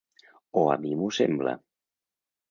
O a mi m’ho sembla.